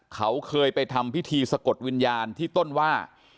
เขาเคยไปทำพิธีสะกดวิญญาณที่ต้นว่า